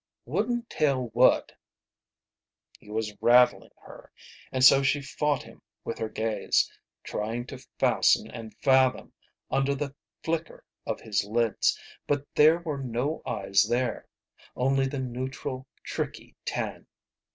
"Wouldn't tell what?" He was rattling her, and so she fought him with her gaze, trying to fasten and fathom under the flicker of his lids. But there were no eyes there. Only the neutral, tricky tan.